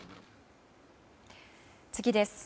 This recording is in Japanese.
次です。